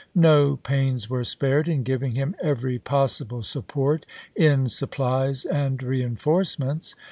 No pains were spared in gi^^ng him every possible support in supplies and reenforcements.